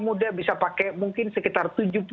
muda bisa pakai mungkin sekitar